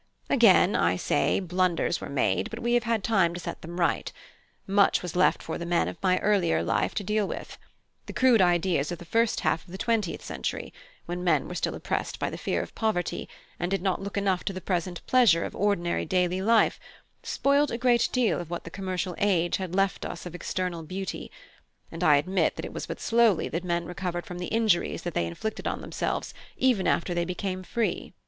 Again I say, many blunders were made, but we have had time to set them right. Much was left for the men of my earlier life to deal with. The crude ideas of the first half of the twentieth century, when men were still oppressed by the fear of poverty, and did not look enough to the present pleasure of ordinary daily life, spoilt a great deal of what the commercial age had left us of external beauty: and I admit that it was but slowly that men recovered from the injuries that they inflicted on themselves even after they became free.